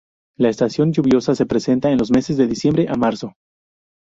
La estación lluviosa se presenta en los meses de diciembre a marzo.